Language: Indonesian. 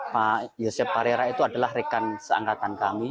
pak yosep parera itu adalah rekan seangkatan kami